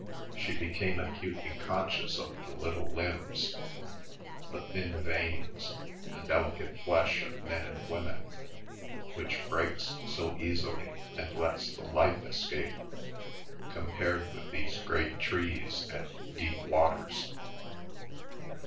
She became acutely conscious of the little limbs, the thin veins, the delicate flesh of men and women, which breaks so easily and lets the life escape compared with these great trees and deep waters.